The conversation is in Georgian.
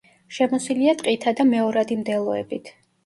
შემოსილია ტყითა და მეორადი მდელოებით.